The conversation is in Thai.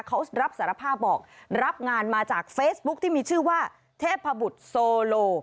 เขารับสารภาพบอกรับงานมาจากเฟซบุ๊คที่มีชื่อว่าเทพบุตรโซโล